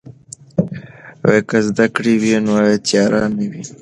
که زده کړه وي نو تیاره نه وي.